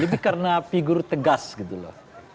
lebih karena figur tegas gitu loh